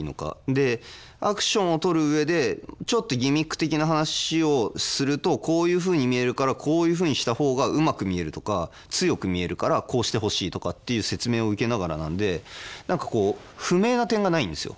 でアクションを撮る上でちょっとギミック的な話をするとこういうふうに見えるからこういうふうにした方がうまく見えるとか強く見えるからこうしてほしいとかっていう説明を受けながらなんで何かこう不明な点がないんですよ